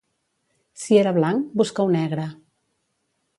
Si era blanc, busca-ho negre.